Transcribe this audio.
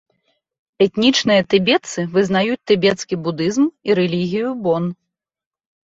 Этнічныя тыбетцы вызнаюць тыбецкі будызм і рэлігію бон.